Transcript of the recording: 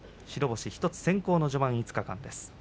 白星１つ先行の序盤５日間です。